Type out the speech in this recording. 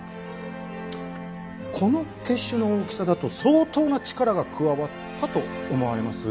この血腫の大きさだと相当な力が加わったと思われます。